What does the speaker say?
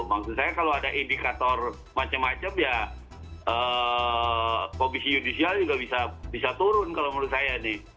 maksud saya kalau ada indikator macam macam ya komisi judisial juga bisa turun kalau menurut saya nih